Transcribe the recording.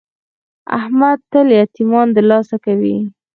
احمد تل یتمیان دلاسه کوي.